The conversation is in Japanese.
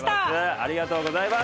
ありがとうございます。